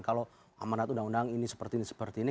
kalau amanat undang undang ini seperti ini seperti ini